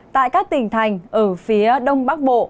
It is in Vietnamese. tại các tỉnh thành ở phía đông bắc bộ